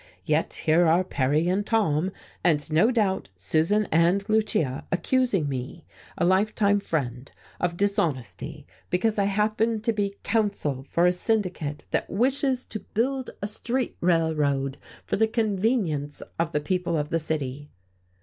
Yet here are Perry and Tom, and no doubt Susan and Lucia, accusing me, a lifetime friend, of dishonesty because I happen to be counsel for a syndicate that wishes to build a street railroad for the convenience of the people of the city."